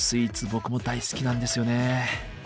僕も大好きなんですよね。